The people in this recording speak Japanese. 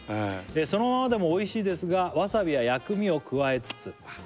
「そのままでもおいしいですがわさびや薬味を加えつつ」